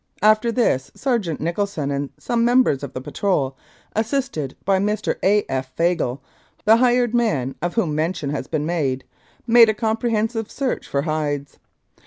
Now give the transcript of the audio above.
After this, Sergeant Nicholson and some members of the patrol, assisted by Mr. A. F. Fagle, the hired man, of whom mention has been made, made a comprehensive search for hides.